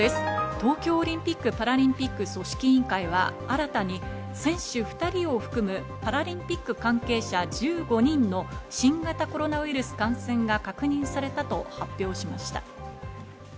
東京オリンピック・パラリンピック組織委員会は新たに選手２人を含むパラリンピック関係者１５人の新型コロナウイルス感染が確認されたと発表しました。